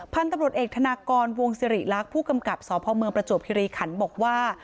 พันธุ์ตำรวจเอกธนากรวงสิริรักษ์ผู้กำกับสพเมืองประจวบคิริขันบอกว่า